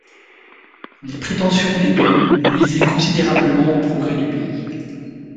Les prétentions des deux nuisaient considérablement aux progrès du pays.